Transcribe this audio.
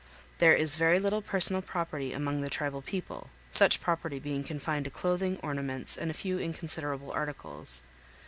There is very little personal property among the tribal people, such property being confined to clothing, ornaments, and a few inconsiderable articles.